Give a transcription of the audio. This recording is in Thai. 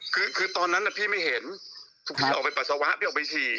คือคือตอนนั้นพี่ไม่เห็นพี่ออกไปปัสสาวะพี่ออกไปฉี่